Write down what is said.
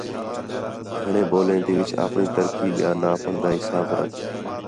گھݨیں ٻولیں تے وِچ آپݨی ترقی ٻیا ناپݨ تا حساب رکھ۔